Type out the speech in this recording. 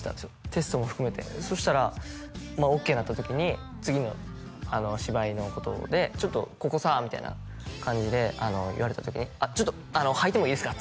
テストも含めてそしたらオッケーになった時に次の芝居のことで「ちょっとここさ」みたいな感じで言われた時に「あっちょっと吐いてもいいですか？」